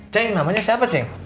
cik namanya siapa cik